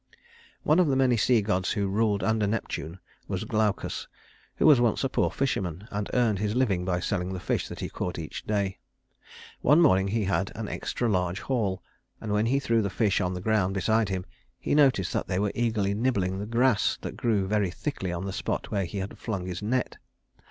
III One of the many sea gods who ruled under Neptune was Glaucus, who was once a poor fisherman, and earned his living by selling the fish that he caught each day. One morning he had an extra large haul; and when he threw the fish on the ground beside him, he noticed that they were eagerly nibbling the grass that grew very thickly in the spot where he had flung his net.